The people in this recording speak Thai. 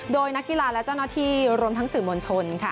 โดยนักกีฬาและเจ้าหน้าที่รวมทั้งสื่อมวลชนค่ะ